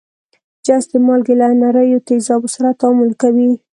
جست د مالګې له نریو تیزابو سره تعامل کوي.